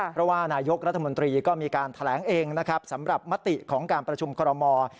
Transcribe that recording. เพราะว่านายกรัฐมนตรีก็มีการแถลงเองนะครับสำหรับมติของการประชุมคอรมอล